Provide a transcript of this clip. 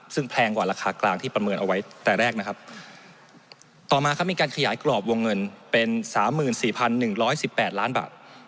ซึ่งแพงกว่าราคากลางที่ประเมินเอาไว้แต่แรกนะครับต่อมาครับมีการขยายกรอบวงเงินเป็นสามหมื่นสี่พันหนึ่งร้อยสิบแปดล้านบาท